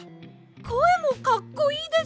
こえもかっこいいです！